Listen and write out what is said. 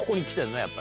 やっぱり。